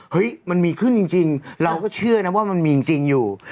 มันมีขึ้นจริงเราก็เชื่อนะว่ามันมีจริงอยู่